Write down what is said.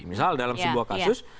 misal dalam sebuah kasus